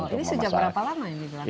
ini sejak berapa lama ini dilakukan